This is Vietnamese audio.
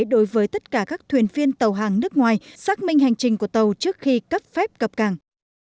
đối với tất cả các thuyền viên tàu hàng nước ngoài xác minh hành trình của tàu trước khi cấp phép cập cảng